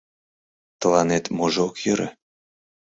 Тыланет можо ок йӧрӧ?